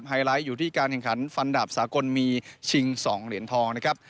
ไลท์อยู่ที่การแข่งขันฟันดาบสากลมีชิง๒เหรียญทองนะครับ